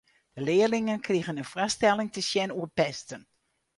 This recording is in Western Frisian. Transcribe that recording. De learlingen krigen in foarstelling te sjen oer pesten.